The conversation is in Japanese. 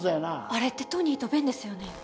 あれってトニーとベンですね。